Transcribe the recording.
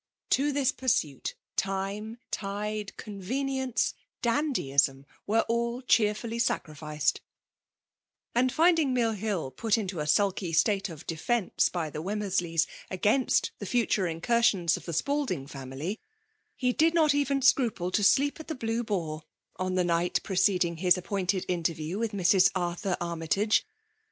To this puftuit, time, tide, convenience, dandy ism, aH w«re cheerftdly sacrificed ; and finding WiltHiU put info a sulky state of defence by fte Wemmetsleysv against the fatbre incursions of the SpaMingfeniily, he didnbt even scruple to sleep at the Blue Boar, on the night pr^ '«»dbg his appointed interview with Mrs. Arthur Arinytage.